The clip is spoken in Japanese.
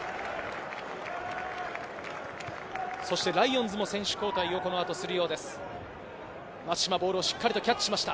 ライオンズの選手交代をこの後するようです。